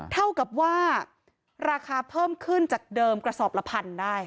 เท่ากับว่าราคาเพิ่มขึ้นจากเดิมกระสอบละพันได้